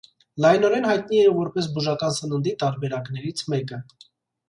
Լայնորեն հայտնի է որպես բուժական սննդի տարբերակներից մեկը։